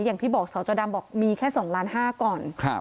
อย่างที่บอกสจดำบอกมีแค่๒ล้านห้าก่อน